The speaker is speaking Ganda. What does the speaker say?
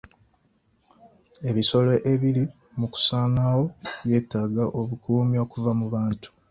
Ebisolo ebiri mu kusaanawo byetaaga obukuumi okuva mu bantu.